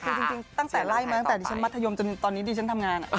คือจริงตั้งแต่ไล่มาตั้งแต่คือห้ายแล้วจนต้นนี้ที่ฉันทำงาน